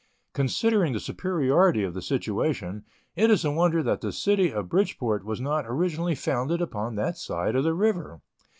Considering the superiority of the situation, it is a wonder that the City of Bridgeport was not originally founded upon that side of the river.